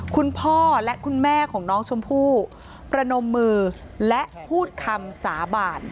คุณพ่อและคุณแม่ของน้องชมพู่ประนมมือและพูดคำสาบาน